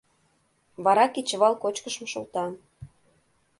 Вара кечывал кочкышым шолта.